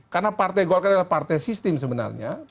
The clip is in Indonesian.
karena partai golkar adalah partai sistem sebenarnya